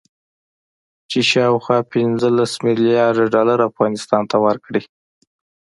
چې شاوخوا پنځلس مليارده ډالر افغانستان ته ورکړي